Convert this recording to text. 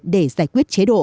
để giải quyết chế độ